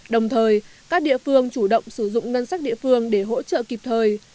đồng thời các địa phương chủ động sử dụng ngân sách địa phương để hỗ trợ kịp thời